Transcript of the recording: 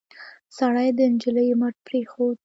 سړي د نجلۍ مټ پرېښود.